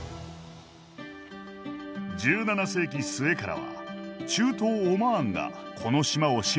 １７世紀末からは中東オマーンがこの島を支配した。